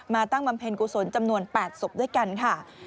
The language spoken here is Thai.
ตั้งบำเพ็ญกุศลจำนวน๘ศพด้วยกันค่ะ